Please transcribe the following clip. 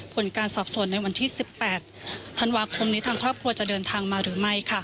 ผลการสอบส่วนในวันที่๑๘ธันวาคมนี้ทางครอบครัวจะเดินทางมาหรือไม่